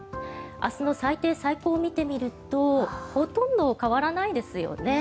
明日の最低、最高を見てみるとほとんど変わらないですよね。